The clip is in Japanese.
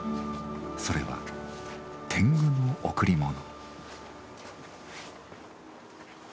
それは天狗の贈り物。